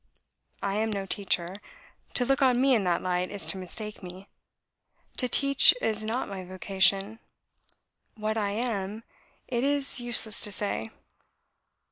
I am no teacher; to look on me in that light is to mistake me. To teach is not my vocation. What I AM, it is useless to say.